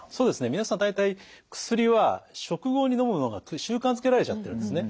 皆さん大体薬は食後にのむのが習慣づけられちゃってるんですね。